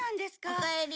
おかえり。